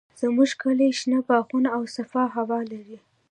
زموږ کلی شنه باغونه او صافه هوا لري.